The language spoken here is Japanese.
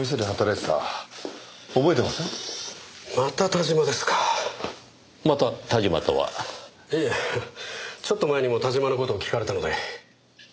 いえちょっと前にも田島の事を聞かれたので。